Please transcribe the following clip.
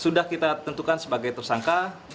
sudah kita tentukan sebagai tersangka